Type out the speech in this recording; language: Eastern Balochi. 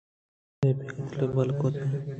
لیبی گُد ئِے بدل کت ءُ تتک